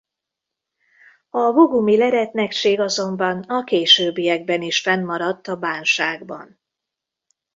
A bogumil eretnekség azonban a későbbiekben is fennmaradt a bánságban.